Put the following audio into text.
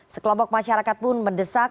sekelompok masyarakat pun mendesak